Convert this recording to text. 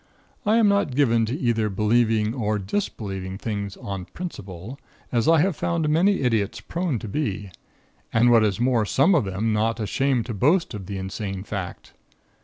I am not given to either believing or disbelieving things 'on principle,' as I have found many idiots prone to be, and what is more, some of them not ashamed to boast of the insane fact.